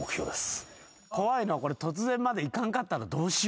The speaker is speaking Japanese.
怖いのがこれ『突然』まで行かんかったらどうしよう。